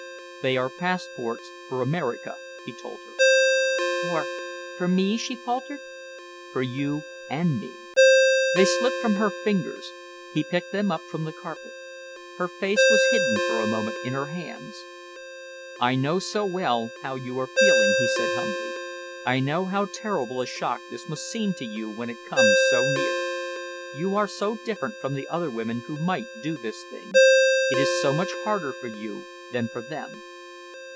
"They are passports for America," he told her. "For for me?" she faltered. "For you and me." They slipped from her fingers. He picked them up from the carpet. Her face was hidden for a moment in her hands. "I know so well how you are feeling," he said humbly. "I know how terrible a shock this must seem to you when it comes so near. You are so different from the other women who might do this thing. It is so much harder for you than for them."